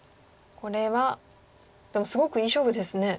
これはでもすごくいい勝負ですね。